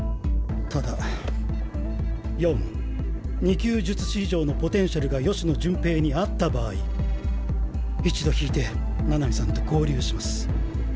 ただ４２級術師以上のポテンシャルが吉野順平にあった場合一度退いて七海さんと合流します。